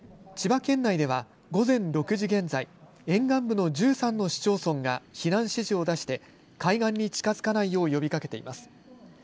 千葉県内では午前６時現在、沿岸部の１３の市町村が避難指示を出して、海岸に近づかないよう呼びかけています。